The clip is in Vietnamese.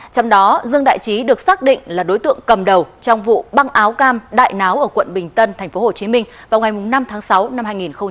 trong đó dương đại trí được xác định là đối tượng cầm đầu trong vụ băng áo cam đại náo ở quận bình tân thành phố hồ chí minh vào ngày năm tháng sáu năm hai nghìn hai mươi